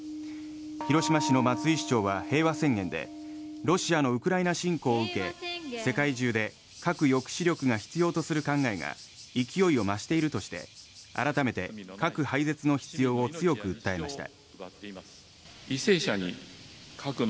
広島市の松井市長は平和宣言でロシアのウクライナ侵攻を受け世界中で核抑止力を必要とする考えが勢いを増しているとして改めて核廃絶の必要を強く訴えました。